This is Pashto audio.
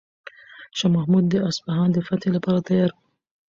شاه محمود د اصفهان د فتح لپاره تیار و.